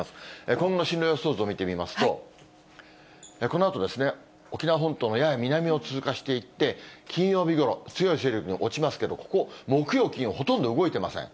今後の進路予想図を見てみますと、このあとですね、沖縄本島のやや南を通過していって、金曜日ごろ、強い勢力に落ちますけれども、ここ、木曜、金曜、ほとんど動いていません。